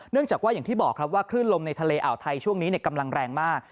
เนื่องจากว่าอย่างที่บอกครับว่าขึ้นลมในทะเลอ่อไทยช่วงนี้เนี่ยกำลังแรงมาก